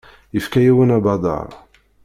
Yefka-yawen abadaṛ.